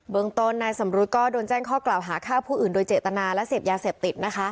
เมืองต้นนายสำรุษก็โดนแจ้งข้อกล่าวหาฆ่าผู้อื่นโดยเจตนาและเสพยาเสพติดนะคะ